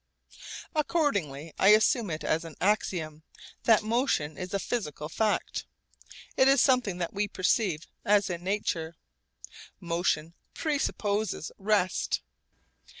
Accordingly I assume it as an axiom, that motion is a physical fact. It is something that we perceive as in nature. Motion presupposes rest.